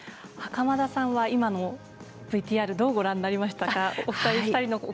袴田さんは今のＶＴＲをどうご覧になりましたか？